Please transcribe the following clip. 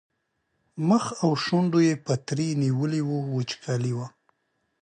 مخ او شونډو یې پترکي نیولي وو وچکالي وه.